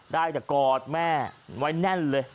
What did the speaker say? ได้แต่กอดแม่ไว้แน่นเลย